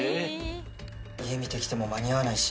家見てきても間に合わないし。